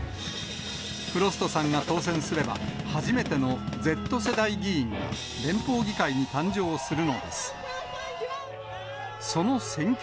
フロストさんが当選すれば、初めてのＺ世代議員が、連邦議会に誕生するのです。